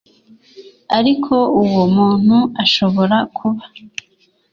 ariko uwo muntu ashobora kuba